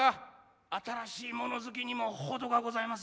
新しいもの好きにも程がございますぞ。